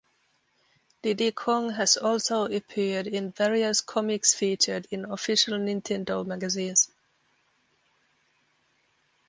Diddy Kong has also appeared in various comics featured in official Nintendo magazines.